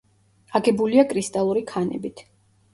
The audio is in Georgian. აგებულია კრისტალური ქანებით.